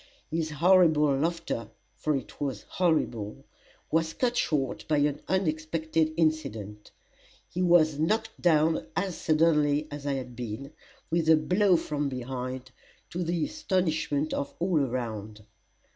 His horrible laughter for it was horrible was cut short by an unexpected incident. He was knocked down as suddenly as I had been, with a blow from behind, to the astonishment of all around.